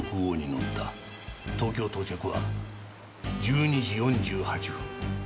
東京到着は１２時４８分。